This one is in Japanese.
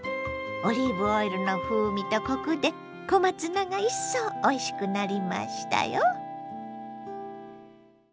オリーブオイルの風味とコクで小松菜がいっそうおいしくなりましたよ。